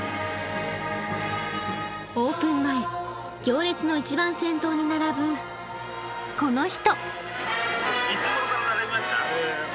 オープン前行列の一番先頭に並ぶこの人。